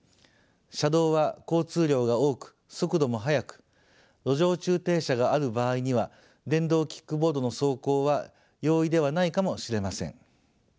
車道は交通量が多く速度も速く路上駐停車がある場合には電動キックボードの走行は容易ではないかもしれません。